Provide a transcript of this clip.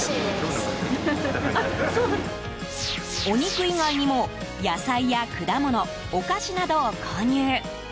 お肉以外にも、野菜や果物お菓子などを購入。